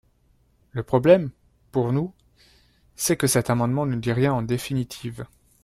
Le problème, pour nous, c’est que cet amendement ne dit rien en définitive.